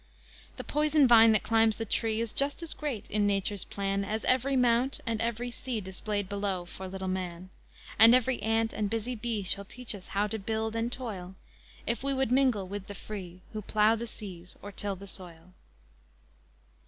The poison vine that climbs the tree, Is just as great in Nature's plan As every mount and every sea Displayed below for little man. And every ant and busy bee Shall teach us how to build and toil If we would mingle with the free, Who plough the seas or till the soil.